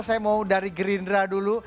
saya mau dari gerindra dulu